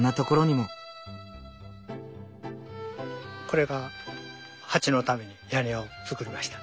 これがハチのために屋根を作りました。